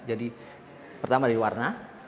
jadi pertama di warna